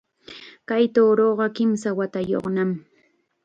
Kay tuuruqa kimsa watayuqnam